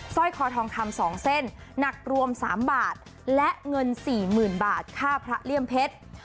ร้อยคอทองคำ๒เส้นหนักรวม๓บาทและเงิน๔๐๐๐บาทค่าพระเลี่ยมเพชร